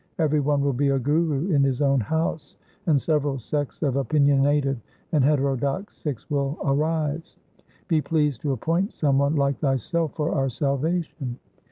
Every one will be a guru in his own house, and several sects of opinionative and heterodox Sikhs will arise. Be pleased to appoint some one like thyself for our salvation.'